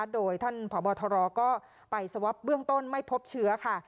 โดยท่านพบทรก็ไปสวอปเบื้องต้นไม่พบเชื้อค่ะ